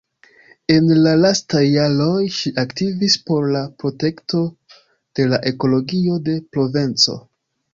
En la lastaj jaroj, ŝi aktivis por la protekto de la ekologio de Provenco.